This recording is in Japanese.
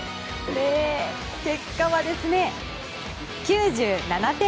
結果は、９７点！